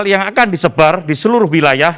yang akan disebar di seluruh wilayah